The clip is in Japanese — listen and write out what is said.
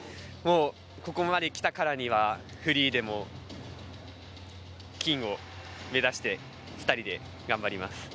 ここまで来たからにはフリーでも金を目指して２人で頑張ります。